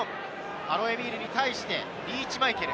アロエミールに対して、リーチ・マイケル。